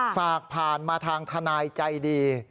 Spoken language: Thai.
ฝากผ่านมาทางทนายใจดี